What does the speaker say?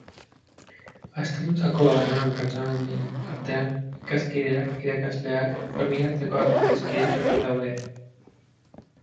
Aztertutako harreman pertsonen artean, ikaskideak, irakasleak, familiartekoak eta adiskideak daude.